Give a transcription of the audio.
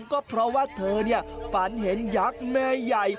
ก็เพราะว่าเธอฝันเห็นยักษ์แม่ใหญ่